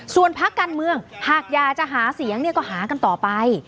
ส่วนพักการเมืองหากอยากจะหาเสียงก็หากันต่อไป